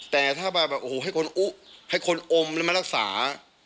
แต่ถ้าแบบโอ้โหให้คนอุ๊ให้คนอมแล้วมารักษา